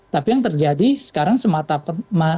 tapi yang terjadi sekarang semata